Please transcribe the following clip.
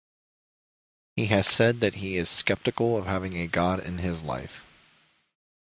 He has said that he is 'sceptical' of having a god in his life.